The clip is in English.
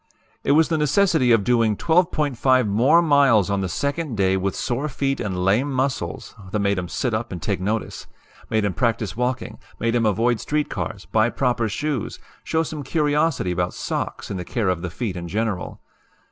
"It was the necessity of doing 12.5 MORE MILES ON THE SECOND DAY WITH SORE FEET AND LAME MUSCLES that made 'em sit up and take notice made 'em practice walking, made 'em avoid street cars, buy proper shoes, show some curiosity about sox and the care of the feet in general.